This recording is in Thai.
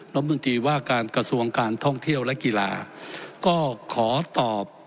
รัฐมนตรีว่าการกระทรวงการท่องเที่ยวและกีฬาก็ขอตอบ